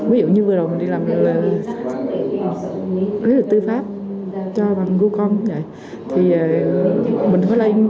ví dụ như vừa đầu mình đi làm là tư pháp cho bằng google